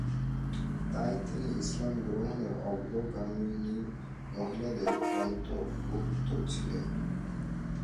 তাই তিনিও ইসলাম গ্রহণে অগ্রগামিনী মহিলাদের অন্তর্ভুক্ত ছিলেন।